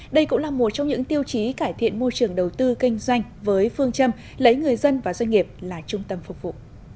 đây cũng là một trong những tiêu chí cải thiện môi trường đầu tư kinh doanh với phương châm lấy người dân và doanh nghiệp là trung tâm phục vụ